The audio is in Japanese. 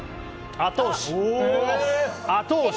後押し！